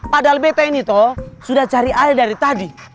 padahal beta ini tuh sudah cari ali dari tadi